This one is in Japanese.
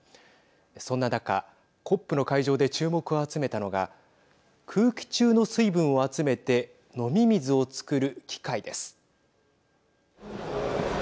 そんな中ＣＯＰの会場で注目を集めたのが空気中の水分を集めて飲み水を作る機械です。